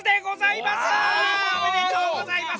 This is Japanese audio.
おめでとうございます！